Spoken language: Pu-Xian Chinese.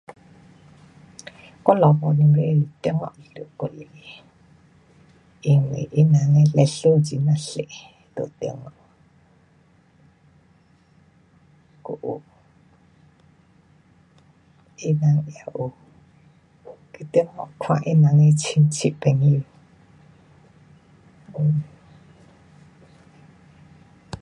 我老父母亲中国过来，因为他人的历史很呀多在中国，还有他人也有去中国看他人的亲戚朋友。